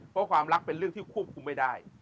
เพราะความรักเป็นเรื่องที่ควบคุมไม่ได้